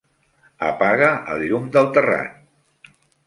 Apaga el llum del terrat.